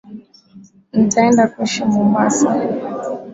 NItaenda kuishi Mombasa